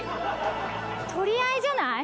取り合いじゃない？